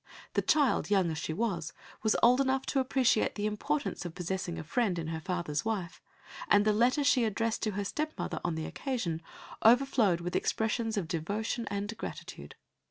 The child, young as she was, was old enough to appreciate the importance of possessing a friend in her father's wife, and the letter she addressed to her step mother on the occasion overflowed with expressions of devotion and gratitude.